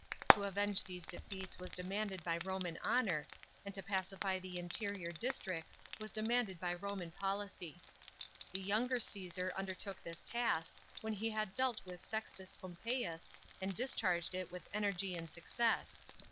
To avenge these defeats was demanded by Roman honour, and to pacify the interior districts was demanded by Roman policy. The young« r Caesar undertook this task, when he had dealt with Sextus Pompeius, and d scharired it with energy and success.